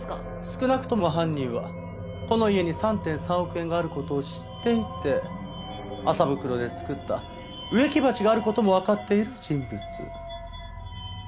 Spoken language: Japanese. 少なくとも犯人はこの家に３．３億円がある事を知っていて麻袋で作った植木鉢がある事もわかっている人物。